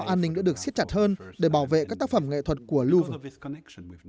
sau đó an ninh đã được siết chặt hơn để bảo vệ các tác phẩm nghệ thuật của louvre